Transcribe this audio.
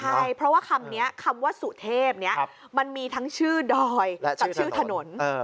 ใช่เพราะว่าคำนี้คำว่าสุเทพนี้มันมีทั้งชื่อดอยกับชื่อถนน